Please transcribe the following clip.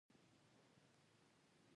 • بخښل د زړه ستر شخصیت ښيي.